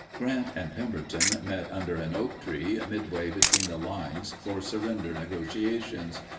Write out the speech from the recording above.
Grant and Pemberton met under an oak tree, midway between the lines, for surrender negotiations.